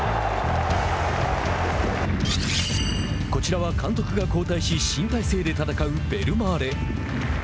こちらは監督が交代し新体制で戦うベルマーレ。